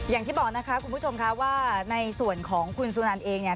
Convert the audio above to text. อย่างที่บอกนะคะคุณผู้ชมค่ะว่าในส่วนของคุณสุนันเองเนี่ย